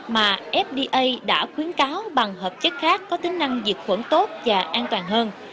mà fda đã khuyến cáo bằng hợp chất khác có tính năng diệt khuẩn tốt và an toàn hơn